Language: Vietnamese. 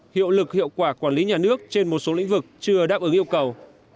hiệu lực hiệu quả quản lý nhà nước trên một số lĩnh vực chưa đáp ứng yêu cầu